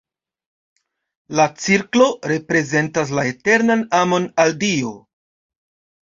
La cirklo reprezentas la eternan amon al Dio.